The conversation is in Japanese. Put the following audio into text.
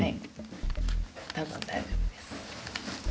多分大丈夫です。